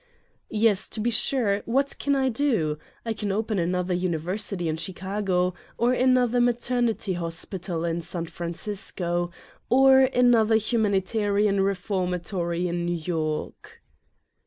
"Yes, to be sure, what can I do? I can open another university in Chicago, or another maternity hospital in San Francisco, or another humanitarian reformatory in New York."